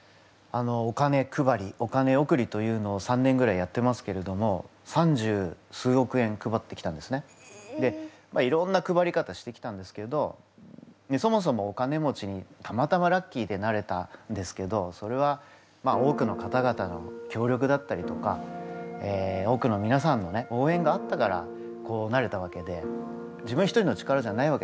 お金配りお金贈りというのを３年ぐらいやってますけれどもいろんな配り方してきたんですけどそもそもお金持ちにたまたまラッキーでなれたんですけどそれは多くの方々の協力だったりとか多くのみなさんのおうえんがあったからこうなれたわけで自分一人の力じゃないわけです。